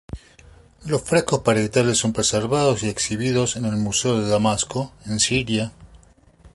Los frescos parietales son preservados y exhibidos en el Museo de Damasco, en Siria.